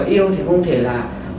yêu thì không thể là